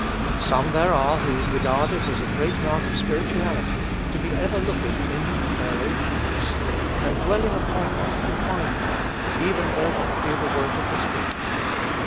Some there are who regard it as a great mark of spirituality to be ever looking in at their own hearts, and dwelling upon what they find there, even though that be the work of the Spirit.